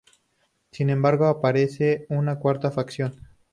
Sin embargo, aparece una cuarta facción.